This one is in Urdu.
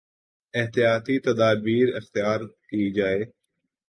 احتیاطی تدابیراختیار کی جائیں